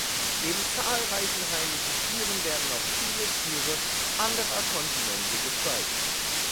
Neben zahlreichen heimischen Tieren werden auch viele Tiere anderer Kontinente gezeigt.